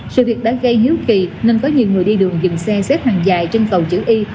sự việc đã gây hiếu kỳ nên có nhiều người đi đường dừng xe xếp hàng dài trên tàu chữ y